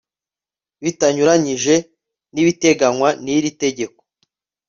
bitanyuranyije n'ibiteganywa n'iri tegeko